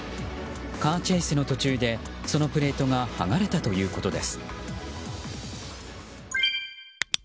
カーチェイスの途中でそのプレートが剥がれたということです。